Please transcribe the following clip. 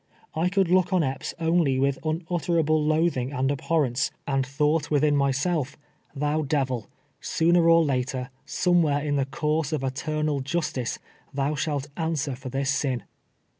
I could lo(^k on Epps only with unutterable loathing and abhorrence, and 258 TWELVE YEARS A SLAVE. thought ■Nvitliin myself — "Tliou devil, sooner or later, somewhere in the course of eternal justice, thou slialt answer for this sin